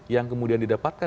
yang kemudian didapatkan